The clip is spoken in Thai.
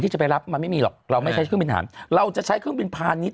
จะไปรับมันไม่มีหรอกเราไม่ใช้เครื่องบินหารเราจะใช้เครื่องบินพาณิชย